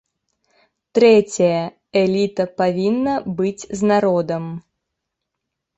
Трэцяе, эліта павінна быць з народам.